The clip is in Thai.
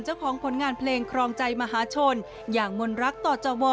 เจ้าของผลงานเพลงครองใจมหาชนอย่างมนรักต่อจว